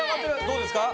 どうですか？